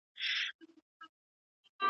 د جنازې تر مراسمو وروسته اجمل خټک وويل